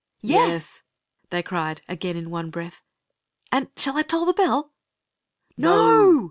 " Yes !' they cried, again in one breath. "And shall I toll the bell ?" "No!